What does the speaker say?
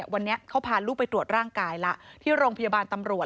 วันนี้เขาพาลูกไปตรวจร่างกายละที่โรงพยาบาลตำรวจ